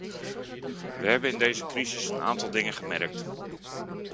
We hebben in deze crisis een aantal dingen gemerkt.